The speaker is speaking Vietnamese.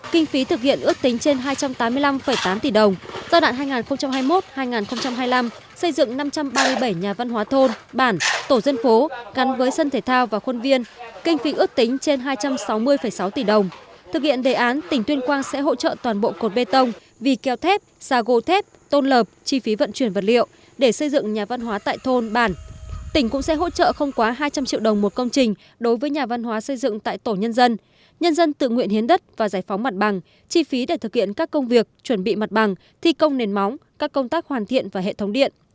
tỉnh cũng sẽ hỗ trợ không quá hai trăm linh triệu đồng một công trình đối với nhà văn hóa xây dựng tại tổ nhân dân nhân dân tự nguyện hiến đất và giải phóng mặt bằng chi phí để thực hiện các công việc chuẩn bị mặt bằng thi công nền móng các công tác hoàn thiện và hệ thống điện